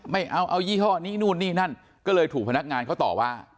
ไม่เอาเอายี่ห้อนี้นู่นนี่นั่นก็เลยถูกพนักงานเขาต่อว่า